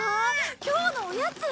今日のおやつ？